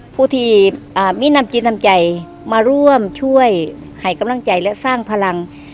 ผู้ที่มินำจิตนำใจมาร่วมช่วยให้กำลังใจและสร้างพลัง